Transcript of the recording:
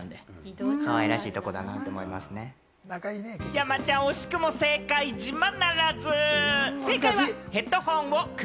山ちゃん、惜しくも正解ならず。